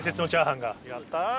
やった！